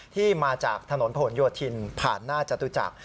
ที่มาจากถนนผนโยธินผ่านหน้าจตุจักร